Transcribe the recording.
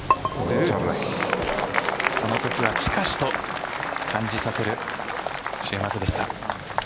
そのときは近しと感じさせる週末でした。